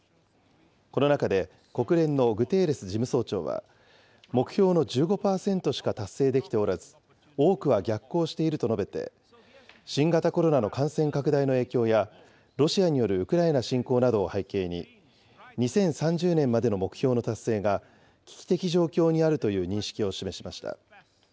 この中で国連のグテーレス事務総長は、目標の１５％しか達成できておらず、多くは逆行していると述べて、新型コロナの感染拡大の影響や、ロシアによるウクライナ侵攻などを背景に、２０３０年までの目標の達成が、危機的状況にあるという認識を示しました。